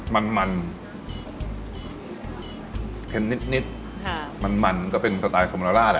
มันมันเค็มนิดนิดค่ะมันมันก็เป็นสไตลโคโมนาร่าแหละ